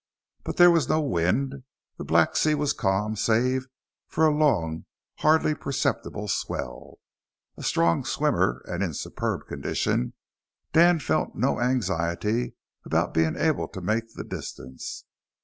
But there was no wind; the black sea was calm save for a long, hardly perceptible swell. A strong swimmer and in superb condition, Dan felt no anxiety about being able to make the distance.